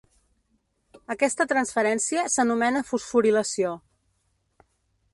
Aquesta transferència s'anomena fosforilació.